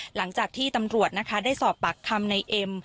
หลังจากที่ตำรวจนะคะได้สอบปากคำในเอ็ม